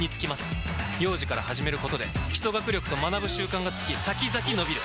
幼児から始めることで基礎学力と学ぶ習慣がつき先々のびる！